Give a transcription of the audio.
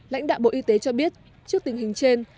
lãnh đạo bộ y tế cho biết trước tình hình trên